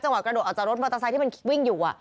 จังหวะกระโดดออกจากรถมอเตอร์ไซค์ที่มันคลิกวิ่งอยู่อะ